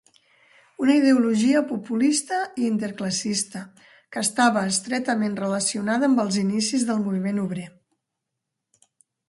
Una ideologia populista i interclassista, que estava estretament relacionada amb els inicis del moviment obrer.